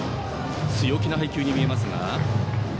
強気な配球に見えますが。